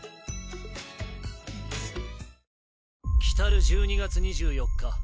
来る１２月２４日